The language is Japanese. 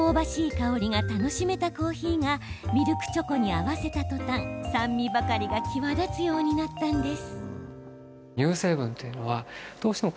香りが楽しめたコーヒーがミルクチョコに合わせたとたん酸味ばかりが際立つようになったんです。